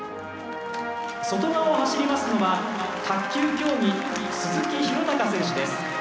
外側を走りますのは卓球競技、鈴木公崇選手です。